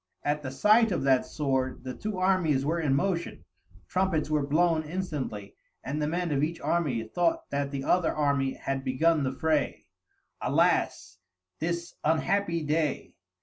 At the sight of that sword the two armies were in motion, trumpets were blown instantly, and the men of each army thought that the other army had begun the fray. "Alas, this unhappy day!"